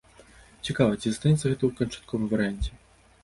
Цікава, ці застанецца гэта ў канчатковым варыянце.